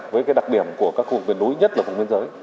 với cái đặc điểm của các khu vực miền núi nhất là vùng biên giới